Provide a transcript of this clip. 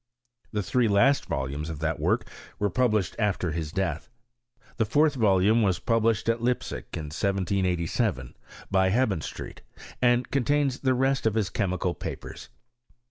The three last volumes of that work were published after his death. The fourth volume was published at Leipsic, in 1787, by Hebenstreit, and contains the rest of his chemi cal papers.